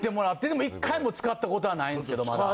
でも１回も使ったことはないんですけどまだ。